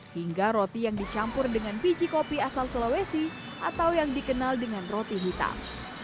hingga roti yang dicampur dengan biji kopi asal sulawesi atau yang dikenal dengan roti hitam